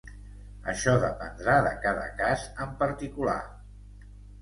Això dependrà de cada cas en particular.